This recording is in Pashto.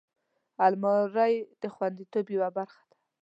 الماري د خوندیتوب یوه برخه ده